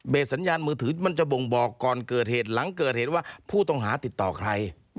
สัญญาณมือถือมันจะบ่งบอกก่อนเกิดเหตุหลังเกิดเหตุว่าผู้ต้องหาติดต่อใคร